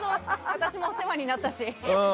私もお世話になったし。